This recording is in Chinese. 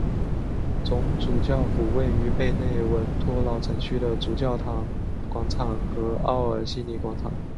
总主教府位于贝内文托老城区的主教座堂广场和奥尔西尼广场。